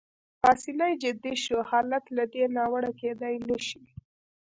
پاسیني جدي شو: حالت له دې ناوړه کېدای نه شي.